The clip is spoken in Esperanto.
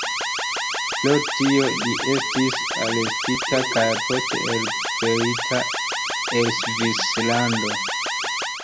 Pro tio, li estis arestita kaj poste elpelita el Svislando.